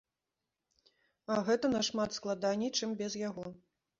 А гэта нашмат складаней, чым без яго.